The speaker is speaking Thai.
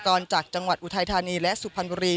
จากจังหวัดอุทัยธานีและสุพรรณบุรี